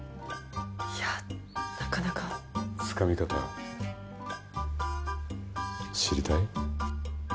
いやなかなかつかみ方知りたい？